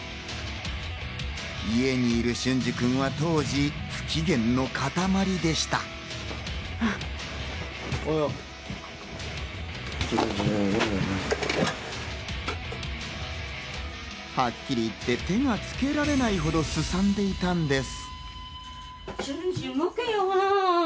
家にいる隼司君は当時、はっきり言って手がつけられないほど荒んでいたのです。